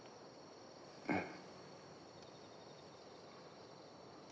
うん。